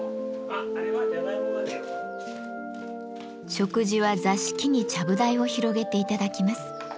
食事は座敷にちゃぶ台を広げて頂きます。